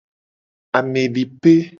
Amedipe.